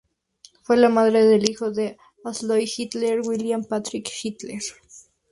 Fue la madre del hijo de Alois Hitler William Patrick Hitler.